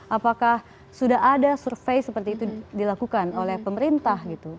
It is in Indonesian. apakah sudah ada survei seperti itu dilakukan oleh pemerintah gitu